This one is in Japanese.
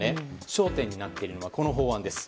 焦点になっているのはこの法案です。